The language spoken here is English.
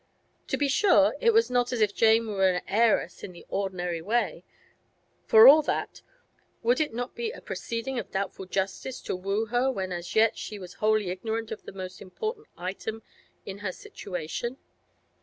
To be sure, it was not as if Jane were an heiress in the ordinary way; for all that, would it not be a proceeding of doubtful justice to woo her when as yet she was wholly ignorant of the most important item in her situation?